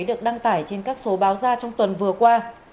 được đăng tải trên các số báo ra trong tuần vừa qua